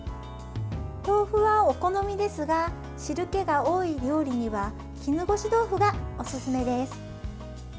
豆腐は、お好みですが汁けが多い料理には絹ごし豆腐がおすすめです。